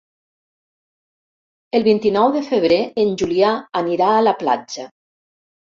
El vint-i-nou de febrer en Julià anirà a la platja.